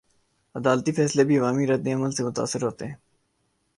عدالتی فیصلے بھی عوامی ردعمل سے متاثر ہوتے ہیں؟